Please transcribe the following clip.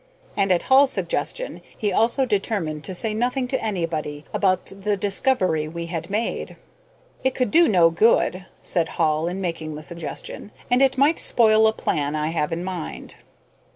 And, at Hall's suggestion, he also determined to say nothing to anybody about the discovery we had made. "It could do no good," said Hall, in making the suggestion, "and it might spoil a plan I have in mind."